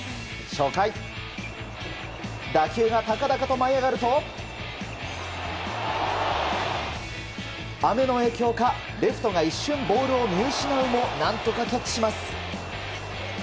初回、打球が高々と舞い上がると雨の影響かレフトが一瞬ボールを見失うも何とかキャッチします。